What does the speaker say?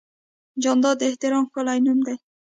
جانداد د احترام ښکلی نوم دی.